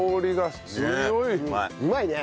うまいね！